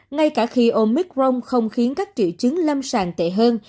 ngay cả khi omicron không khiến các triệu chứng lâm sàng tệ hơn